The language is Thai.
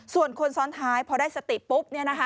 ส่วนคนซ้อนท้ายพอได้สติปุ๊บ